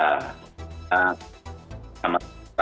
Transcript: raffi sama teman temannya